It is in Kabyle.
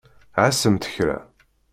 Ɛasemt kra!